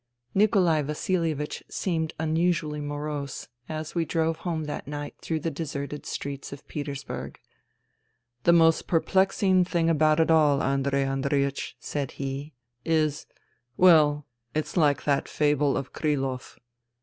THE THREE SISTERS 63 Nikolai Vasilievich seemed unusually morose as we drove home that night through the deserted streets of Petersburg. " The most perplexing thing about it all, Andrei Andreiech," said he, "is ... well, it's like that fable of Krilov."